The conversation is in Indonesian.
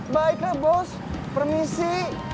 baiklah bos permisi